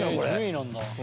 １０位なんだ。